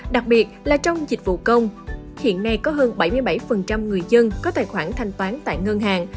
đặc biệt là trong dịch vụ công hiện nay có hơn bảy mươi bảy người dân có tài khoản thanh toán tại ngân hàng